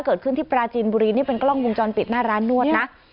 เกิดขึ้นที่ปราจีนบุรีนี่เป็นกล้องวงจรปิดหน้าร้านนวดนะ